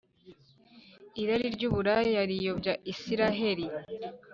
Irari ry’uburaya riyobya Israheli